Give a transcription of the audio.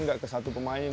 nggak ke satu pemain